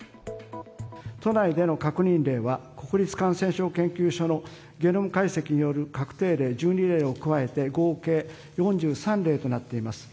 都内での確認例は、国立感染症研究所のゲノム解析による確定例１２例を加えて、合計４３例となっています。